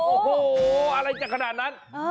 โอ้โหอะไรจะขนาดนั้น